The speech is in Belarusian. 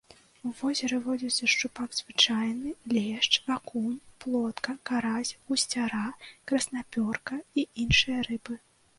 У возеры водзяцца шчупак звычайны, лешч, акунь, плотка, карась, гусцяра, краснапёрка і іншыя рыбы.